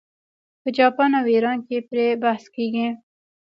په جاپان او ایران کې پرې بحث کیږي.